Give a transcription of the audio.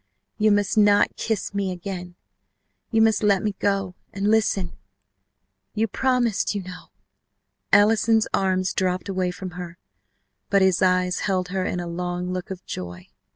_ You must not kiss me again. You must let me go, and listen You promised, you know !" Allison's arms dropped away from her, but his eyes held her in a long look of joy.